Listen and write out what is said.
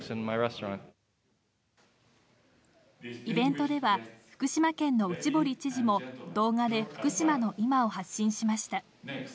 イベントでは、福島県の内堀知事も、動画で福島のいまを発信しました。